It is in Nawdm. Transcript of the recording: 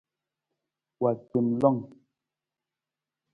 Wa gbem lon.